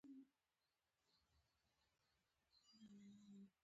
زموږ دواړو طبیعت تقریباً یو ډول وو.